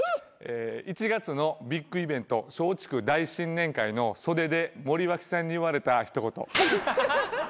１月のビッグイベント松竹大新年会の袖で森脇さんに言われた一言。